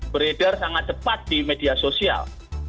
beredar sangat cepat di media sosial